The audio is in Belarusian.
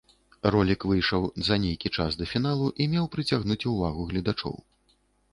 Ролік выйшаў за нейкі час да фіналу і меў прыцягнуць увагу гледачоў.